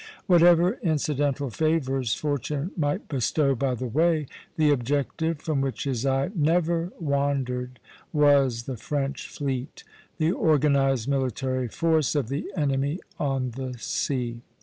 Whatever incidental favors fortune might bestow by the way, the objective from which his eye never wandered was the French fleet, the organized military force of the enemy on the sea.